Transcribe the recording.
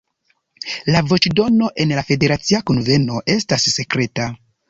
La voĉdono en la Federacia Kunveno estas sekreta.